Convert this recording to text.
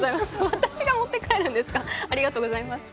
私が持って帰るんですか、ありがとうございます。